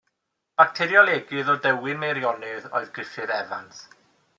Bacteriolegydd o Dywyn, Meirionnydd oedd Griffith Evans.